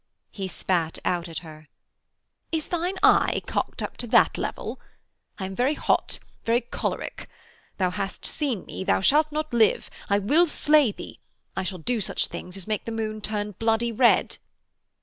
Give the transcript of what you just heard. He spat out at her. 'Is thine eye cocked up to that level?... I am very hot, very choleric. Thou hast seen me. Thou shalt not live. I will slay thee. I shall do such things as make the moon turn bloody red.'